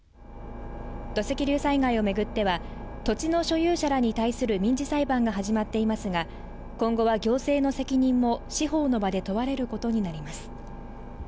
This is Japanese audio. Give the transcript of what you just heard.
土石流災害を巡っては、土地の所有者らに対する民事裁判が始まっていますが、今後は行政の責任も司法の場で問われることになります。